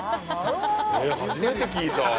初めて聞いた。